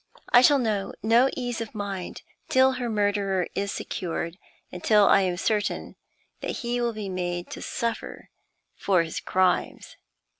I shall know no ease of mind till her murderer is secured, and till I am certain that he will be made to suffer for his crimes.